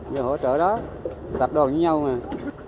giúp hỗ trợ đó tập đoàn với nhau mà